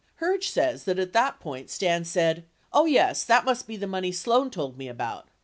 Herge says that at that point, Stans said, "Oh yes, that must be the money Sloan told me about.